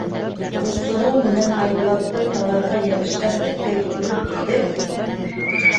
Ул сығыу менән Айбулатты таларға йәбешкән эткә йүгереп етеп: